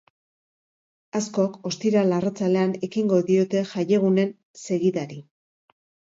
Askok ostiral arratsaldean ekingo diote jaiegunen segidari.